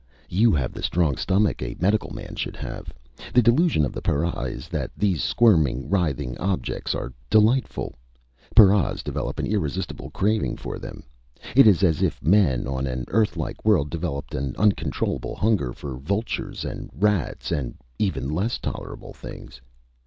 You have the strong stomach a medical man should have! The delusion of the para is that these squirming, writhing objects are delightful! Paras develop an irresistible craving for them! It is as if men on an Earth like world develop an uncontrollable hunger for vultures and rats and even less tolerable things.